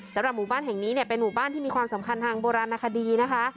สำหรับหมู่บ้านแห่งนี้เนี่ยเป็นหมู่บ้านที่มีความสำคัญทางโบราณคดีนะคะ